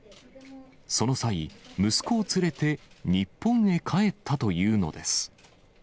その際、息子を連れて日本へ帰ったというのです。